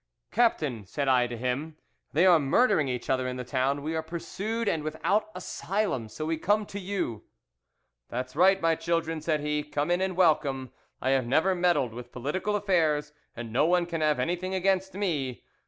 "'Captain,' said I to him, 'they are murdering each other in the town, we are pursued and without asylum, so we come to you.' 'That's right, my children,' said he; 'come in and welcome. I have never meddled with political affairs, and no one can have anything against me.